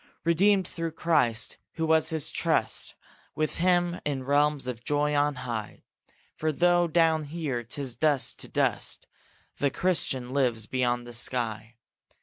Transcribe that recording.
Redeemed through Christ, who was his trust, With him in realms of joy on high; For though down here "'tis dust to dust," The Christian lives beyond the sky.